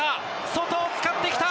外を使ってきた！